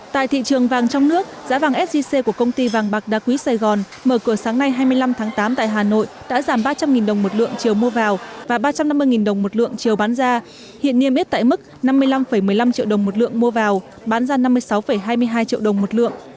tại thị trường vàng trong nước giá vàng sgc của công ty vàng bạc đa quý sài gòn mở cửa sáng nay hai mươi năm tháng tám tại hà nội đã giảm ba trăm linh đồng một lượng chiều mua vào và ba trăm năm mươi đồng một lượng chiều bán ra hiện niêm yết tại mức năm mươi năm một mươi năm triệu đồng một lượng mua vào bán ra năm mươi sáu hai mươi hai triệu đồng một lượng